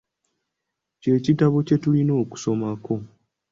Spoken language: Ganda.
Kye kitabo kye tulina okusomako.